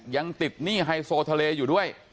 ยังติดหนี้ไฮโซทะเลอยู่ด้วย